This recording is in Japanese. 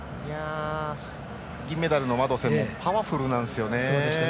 銀メダルのマドセンもパワフルなんですよね。